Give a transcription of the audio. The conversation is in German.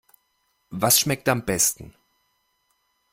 Was schmeckt am besten?